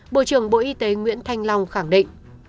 bộ trưởng bộ y tế nguyễn thanh long khẳng định